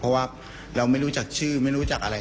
เพราะว่าเราไม่รู้จักชื่อไม่รู้จักอะไร